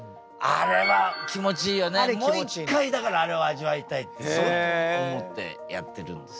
あれもう一回だからあれを味わいたいってそう思ってやってるんですよ。